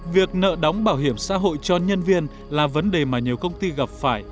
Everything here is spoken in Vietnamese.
việc nợ đóng bảo hiểm xã hội cho nhân viên là vấn đề mà nhiều công ty gặp phải